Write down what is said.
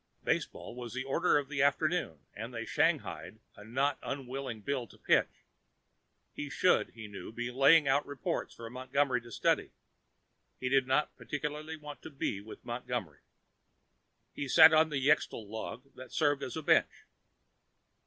Baseball was the order of the afternoon and they shanghaied a not unwilling Bill to pitch. He should, he knew, be laying out reports for Montgomery to study. He did not particularly want to be with Montgomery. Bill sat on the xetal log that served as a bench.